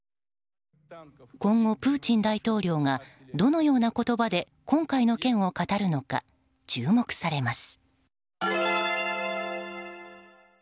今後、プーチン大統領がどのような言葉で今回の件を語るのか注目されます。